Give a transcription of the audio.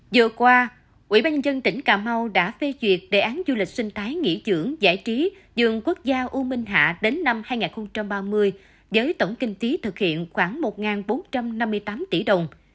vừa qua ubnd tỉnh cà mau đã phê duyệt đề án du lịch sinh thái nghỉ dưỡng giải trí rừng quốc gia u minh hạ đến năm hai nghìn ba mươi với tổng kinh tí thực hiện khoảng một bốn trăm năm mươi tám tỷ đồng